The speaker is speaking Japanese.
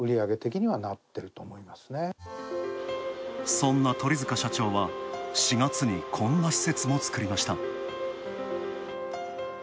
そんな鳥塚社長は、４月にこんな施設も作りました。